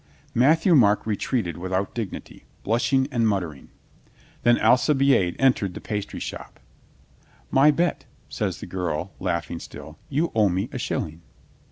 Matthieu Marc retreated without dignity, blush ing and muttering. Then Alcibiade entered the pastry shop. "My bet," says the girl, laughing still, "you owe me a shilling."